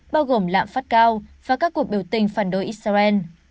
bao gồm lạm phát cao và các cuộc biểu tình phản đối israel